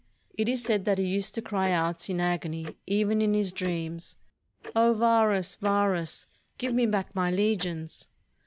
It is said that he used to cry out in agony even in his dreams, "O Varus, Varus, give me back my legions!"